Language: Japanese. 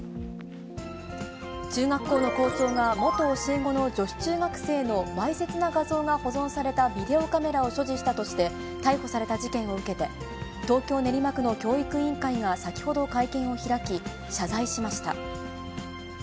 中学校の校長が、元教え子の女子中学生のわいせつな画像が保存されたビデオカメラを所持したとして、逮捕された事件を受けて、東京・練馬区の教育委員会が先ほど会見を開き、謝罪しました。